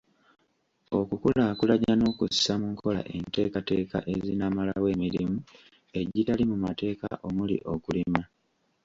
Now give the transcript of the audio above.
Okukulaakulanya n'okussa mu nkola enteekateeka ezinaamalawo emirimu egitali mu mateeka omuli okulima.